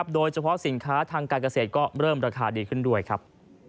โดยเฉพาะสินค้าทางการเกษตรก็เริ่มราคาดีขึ้นด้วยครับ